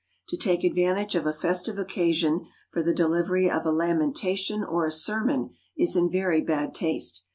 To take advantage of a festive occasion for the delivery of a lamentation or a sermon is in very bad taste.